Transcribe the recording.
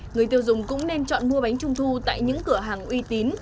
người tiêu dùng cũng nên chọn mua bánh trung thu tại những cửa hàng uy tín